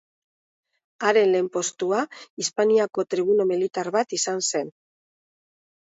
Haren lehen postua Hispaniako tribuno militar bat izan zen.